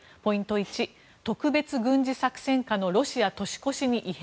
１特別軍事作戦下のロシア年越しに異変